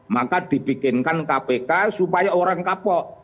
maka dibikinkan kpk supaya orang kapok